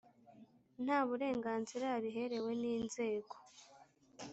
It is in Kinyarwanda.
nta burenganzira yabiherewe n ‘inzego.